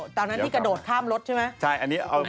ตอนนั้นที่กระโดดข้ามรถใช่ไหม